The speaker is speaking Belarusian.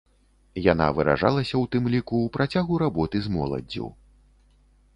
Яна выражалася ў тым ліку ў працягу работы з моладдзю.